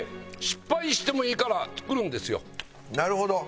なるほど！